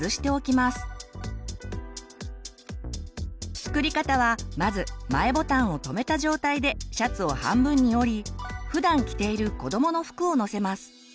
作り方はまず前ボタンを留めた状態でシャツを半分に折りふだん着ているこどもの服を載せます。